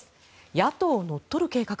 野党を乗っ取る計画？